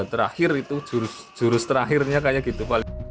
terakhir itu jurus terakhirnya kayak gitu